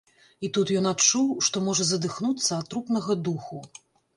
І тут ён адчуў, што можа задыхнуцца ад трупнага духу.